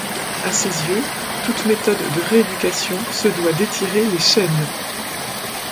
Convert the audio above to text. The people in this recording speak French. À ses yeux, toute méthode de rééducation se doit d’étirer les chaînes.